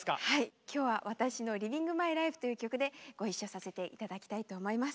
今日は私の「ＬｉｖｉｎｇＭｙＬｉｆｅ」という曲でご一緒させて頂きたいと思います。